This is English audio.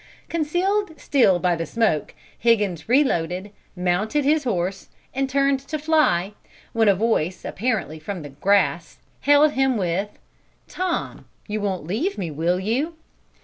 Concealed still by the smoke, Higgins reloaded, mounted his horse, and turned to fly, when a voice, apparently from the grass, hailed him with: Tom, you won't leave me, will you?